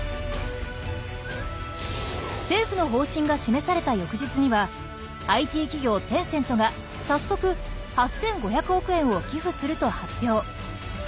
政府の方針が示された翌日にはＩＴ企業テンセントが早速８５００億円を寄付すると発表。